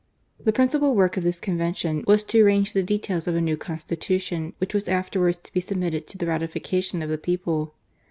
The principal work of this Convention was to arrange the details of a new Constitution, which was afterwards to be submitted to the ratification t>f the people.